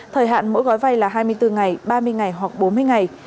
thời hạn mỗi gói vay là hai mươi bốn ngày ba mươi ngày hoặc bốn mươi ngày